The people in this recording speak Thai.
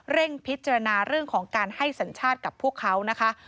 พิจารณาเรื่องของการให้สัญชาติกับพวกเขานะคะ